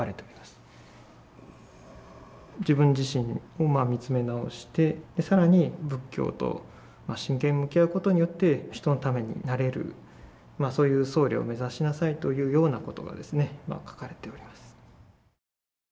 自分自身を見つめ直して更に仏教と真剣に向き合うことによって人のためになれるそういう僧侶を目指しなさいというようなことが書かれております。